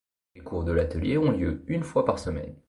Les cours de l'atelier ont lieu une fois par semaine.